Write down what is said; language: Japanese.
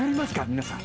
皆さん。